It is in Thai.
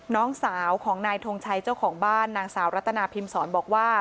น้องสาวของนายทงชัยเจ้าของบ้านนางสาวรัตนาพิมศรบอกว่า